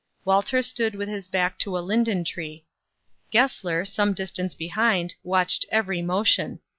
Walter stood with his back to a linden tree. Gessler, some distance behind, watched every motion.